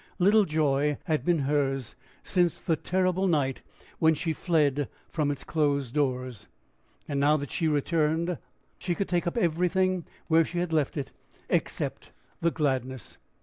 Little joy had been hers since the terrible night when she fled from its closed doors; and now that she returned, she could take up everything where she had left it, except the gladness.